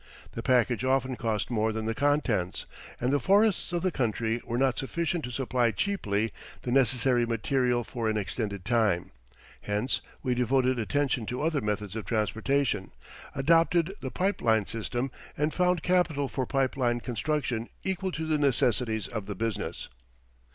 The package often cost more than the contents, and the forests of the country were not sufficient to supply cheaply the necessary material for an extended time. Hence we devoted attention to other methods of transportation, adopted the pipe line system, and found capital for pipe line construction equal to the necessities of the business.